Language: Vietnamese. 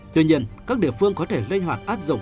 tuy nhiên các địa phương có thể linh hoạt áp dụng